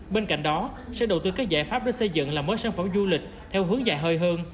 bên cạnh đó sẽ đầu tư các giải pháp để xây dựng làm mới sản phẩm du lịch theo hướng dài hơi hơn